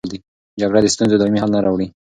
جګړه د ستونزو دایمي حل نه راوړي.